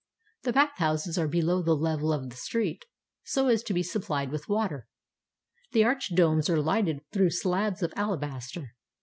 The bath houses are below the level of the street, so as to be supplied with water. The arched domes are lighted through slabs of alabaster.